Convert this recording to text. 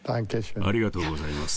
ありがとうございます。